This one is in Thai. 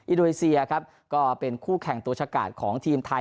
อินโดนีเซียครับก็เป็นคู่แข่งตัวชะกาดของทีมไทย